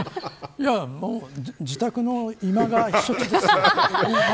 自宅の居間が避暑地です。